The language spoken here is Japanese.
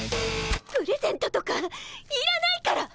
プレゼントとかいらないから！